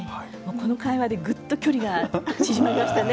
この会話でぐっと距離が縮まりましたね